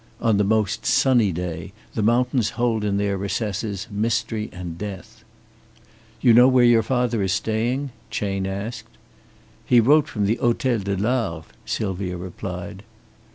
"On the most sunny day, the mountains hold in their recesses mystery and death." "You know where your father is staying?" Chayne asked. "He wrote from the Hôtel de l'Arve," Sylvia replied.